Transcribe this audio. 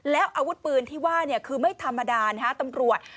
แล้วอาวุธปืนที่ว่าคือไม่ธรรมดานะฮะตำรวจ